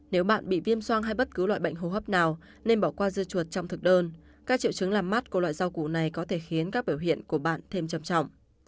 nếu bạn bị viêm soang hay bất cứ loại bệnh hô hấp nào nên bỏ qua dưa chuột trong thực đơn các triệu chứng làm mát của loại rau củ này có thể khiến các biểu hiện của bạn thêm trầm trọng